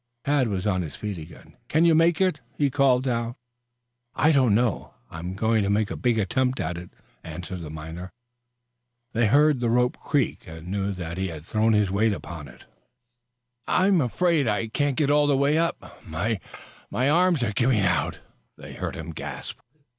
Tad was on his feet again. "Can you make it?" he called down. "I don't know. I'm going to make a big attempt at it," answered the miner. They heard the rope creak and knew that he had thrown his weight upon it. "I'm afraid I can't get all the way up. My arms are giving out," they heard him gasp.